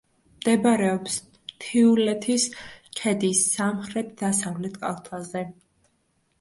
მდებარეობს მთიულეთის ქედის სამხრეთ-დასავლეთ კალთაზე.